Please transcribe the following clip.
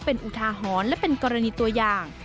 เป็นอุทาหรณ์และเป็นกรณีตัวอย่าง